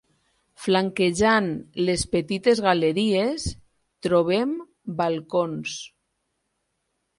Flanquejant les petites galeries, trobem balcons.